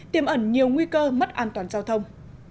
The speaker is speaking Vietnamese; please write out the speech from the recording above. tiêm ẩn nhiều nguy cơ mất an toàn giao thông